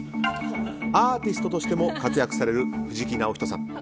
アーティストとしても活躍される藤木直人さん。